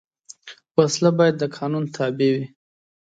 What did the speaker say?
وسله باید د قانون تابع وي